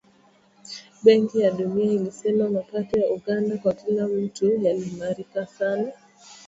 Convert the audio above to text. Benki ya Dunia ilisema mapato ya Uganda kwa kila mtu yaliimarika sana kati ya mwaka wa elfu mbili na moja na elfu mbili kumi na moja